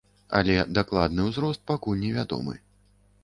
Але дакладны ўзрост пакуль невядомы.